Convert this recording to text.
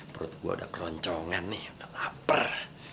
perut gue udah keloncongan nih udah laper